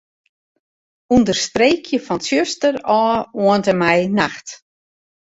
Understreekje fan 'tsjuster' ôf oant en mei 'nacht'.